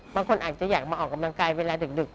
บางคนอาจจะอยากมาออกกำลังกายเวลาดึก